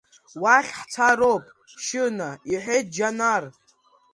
Уахь ҳцароуп, Шьына, — иҳәеит Џьанар.